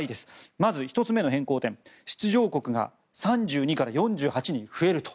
まず１つ目の変更点出場国が３２から４８に増えると。